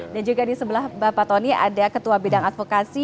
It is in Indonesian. dan juga di sebelah bapak tony ada ketua bidang advokasi